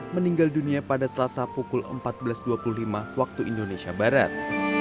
meninggal dunia pada selasa pukul empat belas dua puluh lima waktu indonesia barat